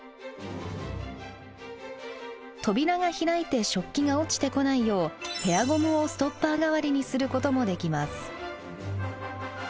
扉が開いて食器が落ちてこないようヘアゴムをストッパー代わりにすることもできます。